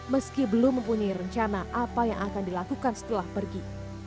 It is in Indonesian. meski belum mempunyai rencana apa yang akan dilakukan setelah pergi